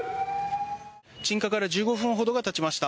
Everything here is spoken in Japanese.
鎮火から１５分ほどが経ちました。